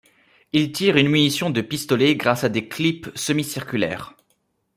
Il tire une munition de pistolet grâce à des clips semi-circulaires.